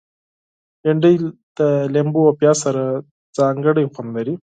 بېنډۍ د لیمو او پیاز سره ځانګړی خوند لري